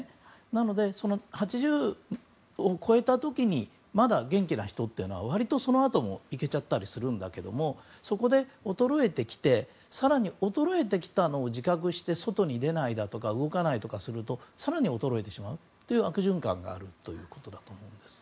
なので、８０を超えた時にまだ元気な人というのは割とそのあともいけちゃったりするんだけどもそこで衰えてきて更に、衰えてきたのを自覚して外に出ないだとか動かないとかすると更に衰えてしまうという悪循環があるということだと思います。